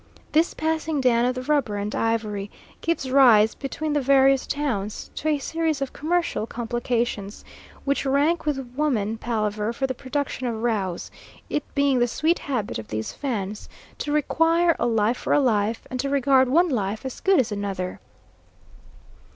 This passing down of the rubber and ivory gives rise between the various towns to a series of commercial complications which rank with woman palaver for the production of rows; it being the sweet habit of these Fans to require a life for a life, and to regard one life as good as another.